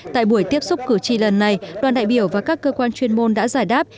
tại buổi tiếp xúc cử tri lần này đoàn đại biểu và các cơ quan chuyên môn đã giải đáp